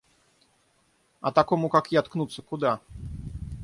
А такому, как я, ткнуться куда?